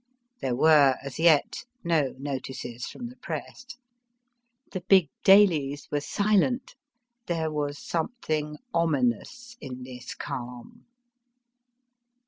There were as yet no notices from the Press ; the big dailies were silent ; there was some thing ominous in this calm.